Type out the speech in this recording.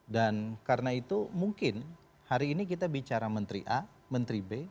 dan karena itu mungkin hari ini kita bicara menteri a menteri b